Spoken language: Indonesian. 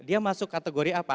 dia masuk kategori apa